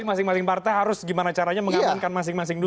jadi masing masing partai harus gimana caranya mengamankan masing masing dulu